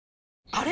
あれ？